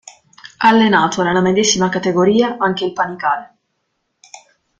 Ha allenato nella medesima categoria anche il Panicale.